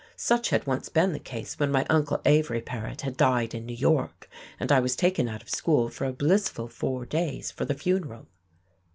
Such had once been the case when my Uncle Avery Paret had died in New York, and I was taken out of school for a blissful four days for the funeral.